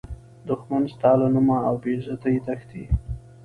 دښمن ستا له نوم او عزته تښتي